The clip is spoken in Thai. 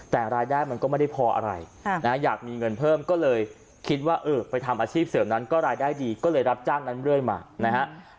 แต่รายได้มันก็ไม่ได้พออะไรอยากมีเงินเพิ่มก็เลยคิดว่าเออไปทำอาชีพเสริมนั้นก็รายได้ดีก็เลยรับจ้างนั้นเรื่อยมานะฮะ